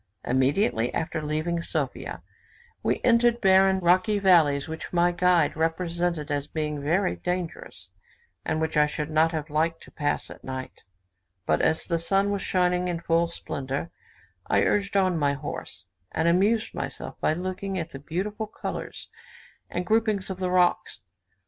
Immediately after leaving Sophia, we entered barren, rocky valleys, which my guide represented as being very dangerous, and which I should not have liked to pass at night; but as the sun was shining in full splendour, I urged on my horse, and amused myself by looking at the beautiful colours and grouping of the rocks.